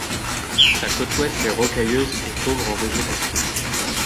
Sa côte ouest est rocailleuse et pauvre en végétation.